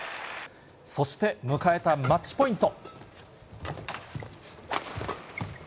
そして、迎えたマッチポイント。